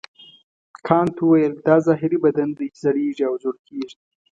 کانت وویل دا ظاهري بدن دی چې زړیږي او زوړ کیږي.